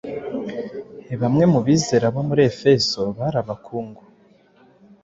Bamwe mu bizera bo mu Efeso bari abakungu,